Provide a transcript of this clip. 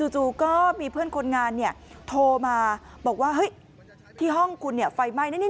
จู่ก็มีเพื่อนคนงานเนี่ยโทรมาบอกว่าเฮ้ยที่ห้องคุณเนี่ยไฟไหม้